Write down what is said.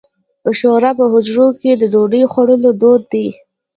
شوروا په حجرو کې د ډوډۍ خوړلو دود دی.